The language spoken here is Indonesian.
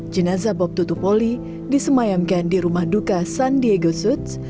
jenazah bob tutupoli disemayamkan di rumah duka san diego suits